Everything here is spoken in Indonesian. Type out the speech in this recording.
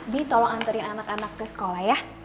bi tolong antarin anak anak ke sekolah ya